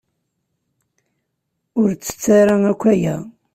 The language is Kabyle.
Ur ttettu ara akk aya.